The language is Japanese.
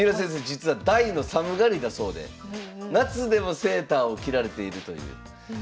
実は大の寒がりだそうで夏でもセーターを着られているという。